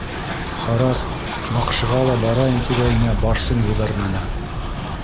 Харрас баҡшыға ла барайым тигәйнем, Барсын ебәрмәне.